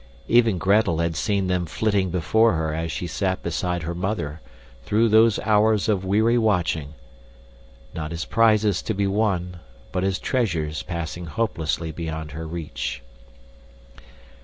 Even Gretel had seen them flitting before her as she sat beside her mother through those hours of weary watching not as prizes to be won, but as treasures passing hopelessly beyond her reach.